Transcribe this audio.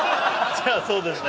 「じゃそうですね」